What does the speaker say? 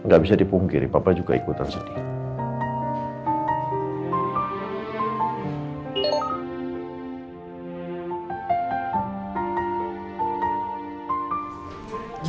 gak bisa dipungkiri papa juga ikutan sendiri